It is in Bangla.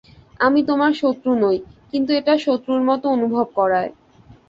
আমি তোমার শত্রু নই, কিন্তু এটা শত্রুর মতো অনুভব করায়।